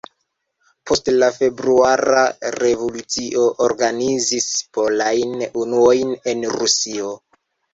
Post la februara revolucio organizis polajn unuojn en Rusio.